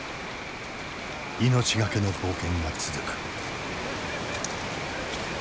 命懸けの冒険が続く。